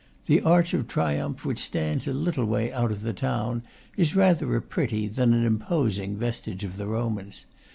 The arch of triumph, which stands a little way out of the town, is rather a pretty than an im posing vestige of the Romans.